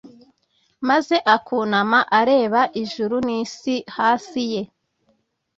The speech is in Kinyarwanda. maze akunama areba ijuru n’isi hasi ye?